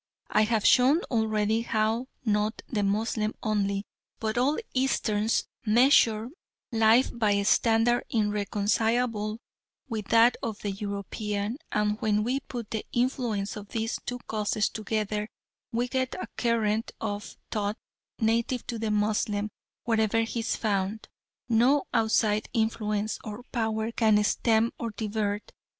I have shown already how not the Moslem only, but all Easterns measure life by a standard irreconcilable with that of the European, and when we put the influence of these two causes together we get a current of thought, native to the Moslem wherever he is found, no outside influence or power can stem or divert.